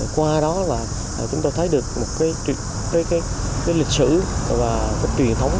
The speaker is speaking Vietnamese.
qua đó chúng tôi thấy được một lịch sử truyền thống